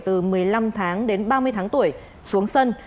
từ một mươi năm tháng đến ba mươi tháng tuổi xuống sân